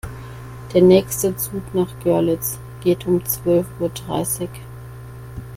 Der nächste Zug nach Görlitz geht um zwölf Uhr dreißig